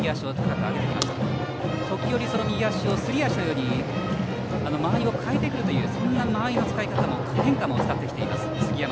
時折、右足をすり足のように間合いを変えてくるという間合いの変化も使ってきています、杉山。